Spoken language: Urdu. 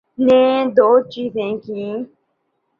‘نے دوچیزیں کیں۔